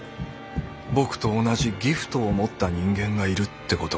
僕と同じギフトを持った人間がいるってことか。